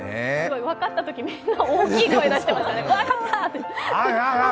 分かったときみんな大きい声出してましたね。